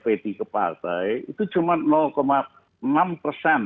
jadi dia dapat uang sogokan untuk bisa bayar uang